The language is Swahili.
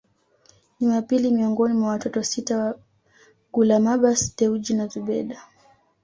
Ni wa pili miongoni mwa watoto sita wa Gulamabbas Dewji na Zubeda